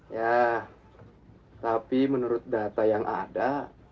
ya tapi menurut data yang ada